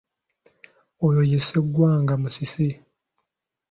Oyo ye Sseggwanga Musisi.